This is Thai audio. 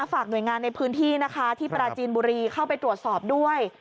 ฝากหน่วยงานในพื้นที่นะคะที่ปราจีนบุรีเข้าไปตรวจสอบด้วย